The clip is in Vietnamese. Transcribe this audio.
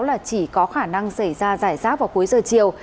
là chỉ có khả năng xảy ra giải rác vào cuối giờ chiều